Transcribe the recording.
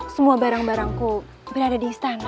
semua barang barangku berada di istana